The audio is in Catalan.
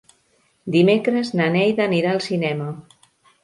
Dimecres na Neida anirà al cinema.